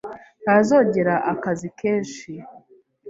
Ntazongera akazi kenshi.